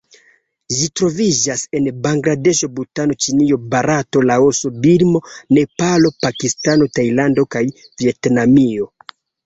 Ĝi troviĝas en Bangladeŝo, Butano, Ĉinio, Barato, Laoso, Birmo, Nepalo, Pakistano, Tajlando kaj Vjetnamio.